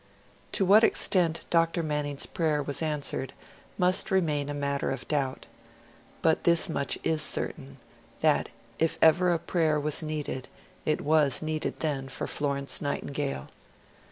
To what extent Dr. Manning's prayer was answered must remain a matter of doubt; but this much is certain: that if ever a prayer was needed, it was needed then for Florence Nightingale.